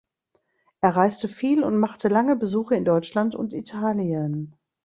Er reiste viel und machte lange Besuche in Deutschland und Italien.